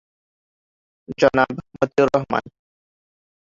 জনাব, মতিউর রহমান।